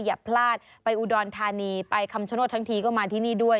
อย่าพลาดไปอุดรธานีไปคำชโนธทั้งทีก็มาที่นี่ด้วย